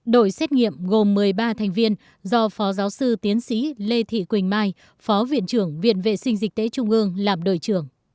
đội điều tra giám sát dịch gồm một mươi ba thành viên do phó giáo sư tiến sĩ lê thị quỳnh mai phó viện trưởng viện vệ sinh dịch tễ trung ương làm đội trưởng